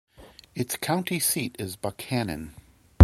Its county seat is Buckhannon.